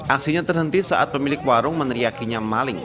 aksinya terhenti saat pemilik warung meneriakinya maling